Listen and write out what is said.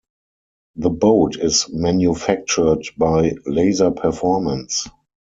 The boat is manufactured by Laser Performance.